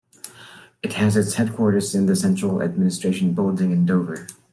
It has its headquarters in the Central Administration Building in Dover.